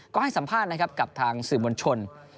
ก็ให้สัมภาษณ์นะครับกับทางสื่อมวลชน